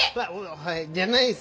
はいじゃないっす。